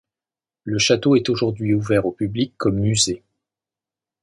Le château est aujourd'hui ouvert au public comme musée.